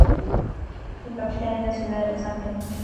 Su capital es la ciudad de Los Ángeles.